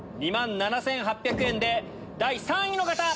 ２万７８００円で第３位の方！